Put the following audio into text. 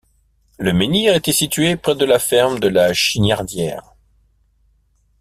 Le menhir était situé près de la ferme de la Chignardière.